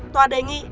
tòa đề nghị